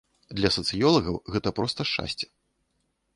Для сацыёлагаў гэта проста шчасце.